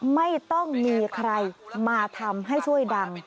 ไม่ต้องมีใครมาทำให้ช่วยดัง